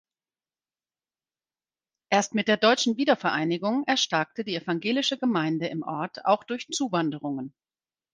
Erst mit der deutschen Wiedervereinigung erstarkte die evangelische Gemeinde im Ort auch durch Zuwanderungen.